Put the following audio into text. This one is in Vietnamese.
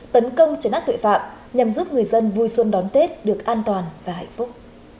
tấn công chấn áp tội phạm nhằm giúp người dân vui xuân đón tết được an toàn và hạnh phúc